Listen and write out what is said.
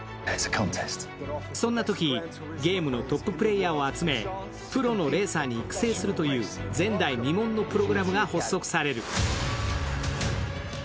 そんなときゲームのトッププレーヤーを集めプロのレーサーに育成するという前代未聞のプログラムが発足される。